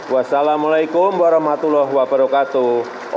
wassalamu'alaikum warahmatullahi wabarakatuh